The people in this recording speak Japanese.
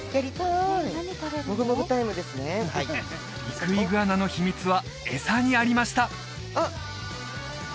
リクイグアナの秘密は餌にありました